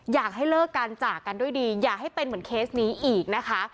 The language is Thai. อยากให้เลิกกันจากกันด้วยดีอย่าให้เป็นเหมือนเคสนี้อีกนะคะ